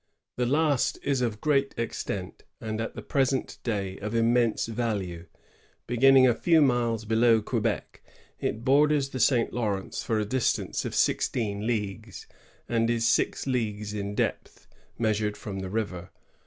The last is of great extent, and at the present day of immense value. Beginning a few miles below Quebec, it borders the St. Lawrence for a distance of sixteen leagues, and is six leagues in depth, measured from the river.